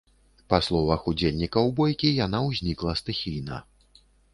Па словах удзельнікаў бойкі, яна ўзнікла стыхійна.